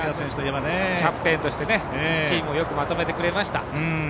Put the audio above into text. キャプテンとしてチームをよくまとめてくれました。